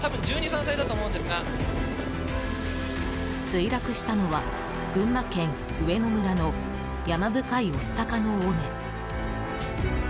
墜落したのは、群馬県上野村の山深い御巣鷹の尾根。